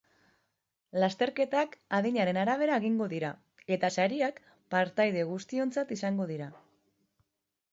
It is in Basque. Lasterketak adinaren arabera egingo dira, eta sariak partaide guztientzat izango dira.